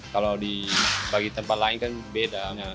kalau dibagi tempat lain kan bedanya